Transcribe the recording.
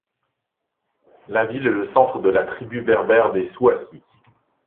La ville est le centre de la tribu berbère des Souassi.